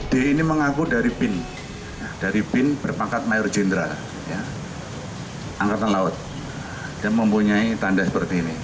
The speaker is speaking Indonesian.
d ini mengaku dari bin dari bin berpangkat mayor jenderal angkatan laut dan mempunyai tanda seperti ini